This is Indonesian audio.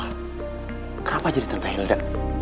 kenapa jadi tante hilda